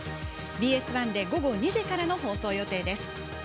ＢＳ１で午後２時からの放送予定です。